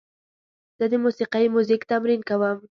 زه د موسیقۍ میوزیک تمرین کوم.